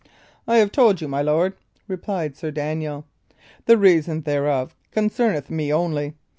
"I have told you, my lord," replied Sir Daniel, "the reason thereof concerneth me only.